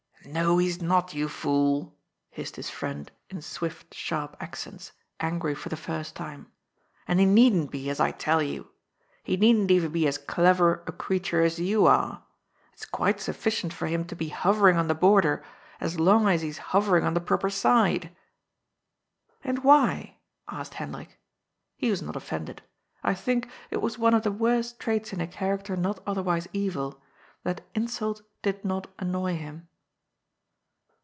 "No, he is not, you fool," hissed his friend in swift, sharp accents, angry for the first time, "and he needn't be, as I tell you. He needn't even be as clever a creat ure as you are. It's quite sufficient for him to be hovering on the border, as long as he's hovering on the proper side." " And why ?" asked Hendrik. He was not offended. I think it was one of the worst traits in a character not other wise evil that insult did not annoy him.